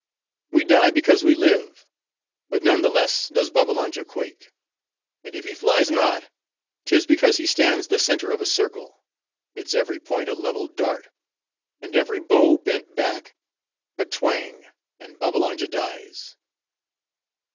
We die, because we live. But none the less does Babbalanja quake. And if he flies not, 'tis because he stands the center of a circle; its every point a leveled dart; and every bow, bent back:—a twang, and Babbalanja dies."